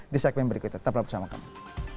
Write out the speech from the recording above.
di segmen berikutnya tetap berhubung sama kami